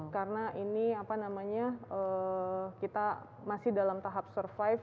karena ini apa namanya kita masih dalam tahap survive